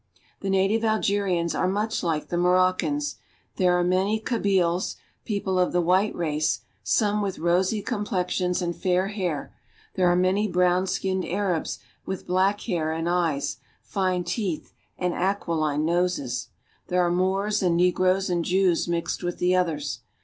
The native Algerians are much like the Moroccans. There are many Kabyles, people of the white race, some with rosy complexions and fair hair; there are many brown skinned Arabs, with black hair and eyes, fine teeth, and aquiline noses ; there are Moors and negroes and Jews mixed with the others.